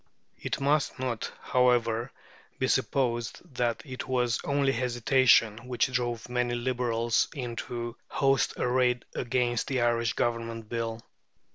It must not, however, be supposed that it was only hesitation which drove many Liberals into the host arrayed against the Irish Government Bill.